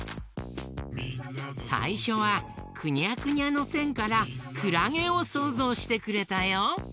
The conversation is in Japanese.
さいしょはくにゃくにゃのせんからくらげをそうぞうしてくれたよ。